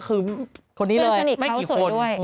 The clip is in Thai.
ตื่นสนิทเขาสวยด้วยคนนี้เลยไม่กี่คน